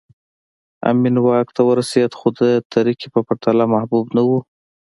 امین واک ته ورسېد خو د ترکي په پرتله محبوب نه و